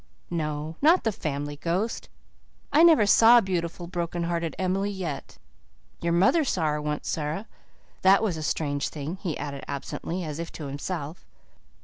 "No, not the Family Ghost. I never saw beautiful, broken hearted Emily yet. Your mother saw her once, Sara that was a strange thing," he added absently, as if to himself.